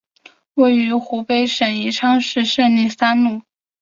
位于湖北省宜昌市胜利三路。